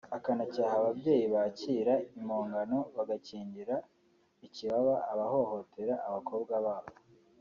akanacyaha ababyeyi bakira impongano bagakingira ikibaba abahohoteye abakobwa babo